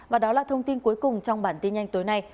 và đó là thông tin cuối cùng trong bản tin nhanh tối nay